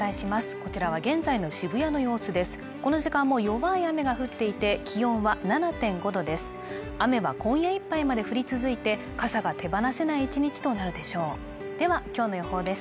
この時間も弱い雨が降っていて気温は７．５度です